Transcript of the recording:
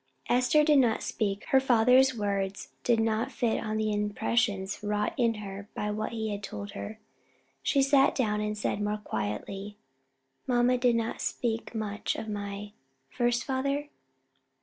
Esther did not speak; her father's words did not fit on to the impressions wrought in her by what he had told her. She sat down again, and said, more quietly "Mamma did not speak much of my first father?"